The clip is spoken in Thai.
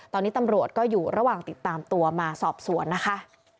ตอนนี้ตำรวจก็อยู่ระหว่างติดตามตัวมาสอบสวนนะคะ